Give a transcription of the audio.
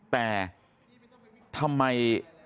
แต่ทำไม